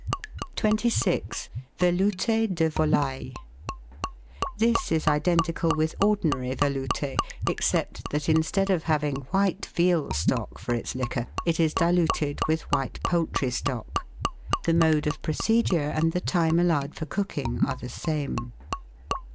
26— VELOUTE DE VOLAILLE This is identical with ordinary Velout^, except that instead of having white veal stock for its liquor, it is diluted with white poultry stock. The mode of procedure and the time allowed for cooking are the same.